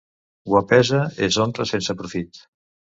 Guapesa és honra sense profit.